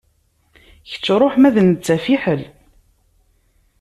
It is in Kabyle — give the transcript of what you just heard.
Kečč ṛuḥ ma d netta fiḥel.